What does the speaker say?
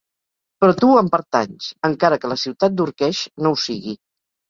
Però tu em pertanys, encara que la ciutat d'Urkesh no ho sigui.